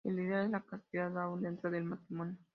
El ideal es la castidad, aún dentro del matrimonio.